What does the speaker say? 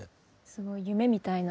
すごい夢みたいな。